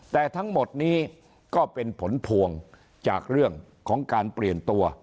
แต่ทั้งหมดนี้ก็เป็นผลพวงจากเรื่องของการเปลี่ยนตัว